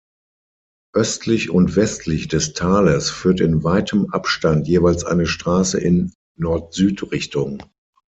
Östlich und westlich des Tales führt in weitem Abstand jeweils eine Straße in Nord-Süd-Richtung.